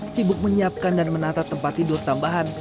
sibuk menyiapkan dan menata tempat tidur tambahan